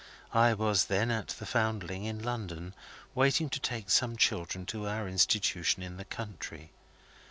I was then at the Foundling, in London, waiting to take some children to our institution in the country.